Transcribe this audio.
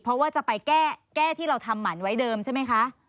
เพราะว่าจะไปแก้ที่เราทำหมั่นไว้เดิมใช่ไหมคะ